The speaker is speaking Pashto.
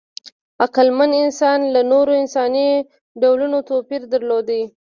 عقلمن انسانان له نورو انساني ډولونو توپیر درلود.